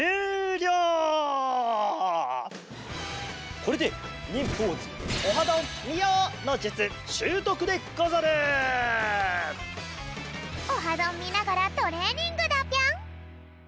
これで「オハどん！」みながらトレーニングだぴょん。